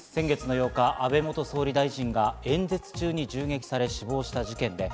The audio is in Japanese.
先月８日、安倍元総理が演説中に銃撃されて死亡した事件。